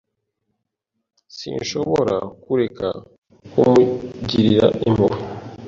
Sinshobora kureka kumugirira impuhwe.